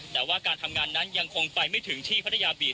แต่ว่าการทำงานนั้นยังคงไปไม่ถึงที่พัทยาบีต